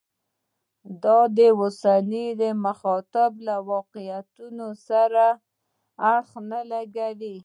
د اوسني مخاطب له واقعیتونو سره اړخ نه لګوي.